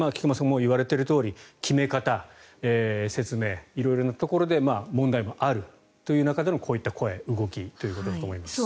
もういわれているとおり決め方、説明、色々なところで問題もあるという中でのこういった声、動きということだと思います。